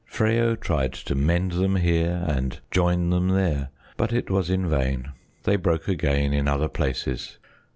Freyo tried to mend them here and join them there, but it was in vain. They broke again in other places.